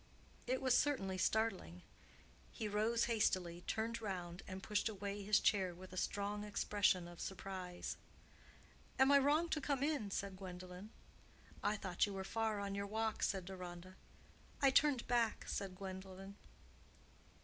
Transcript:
It was certainly startling. He rose hastily, turned round, and pushed away his chair with a strong expression of surprise. "Am I wrong to come in?" said Gwendolen. "I thought you were far on your walk," said Deronda. "I turned back," said Gwendolen.